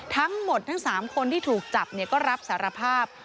ทั้งหมดทั้ง๓คนที่ถูกจับก็รับสารภาพ